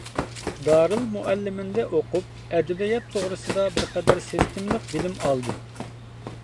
دارىلمۇئەللىمىندە ئوقۇپ، ئەدەبىيات توغرىسىدا بىرقەدەر سىستېمىلىق بىلىم ئالدى.